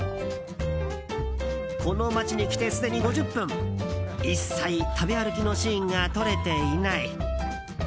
この街に来て、すでに５０分一切、食べ歩きのシーンが撮れていない。